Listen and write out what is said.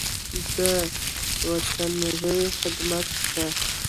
د وترنرۍ خدمات شته؟